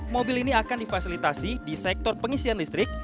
mobil ini akan difasilitasi di sektor pengisian listrik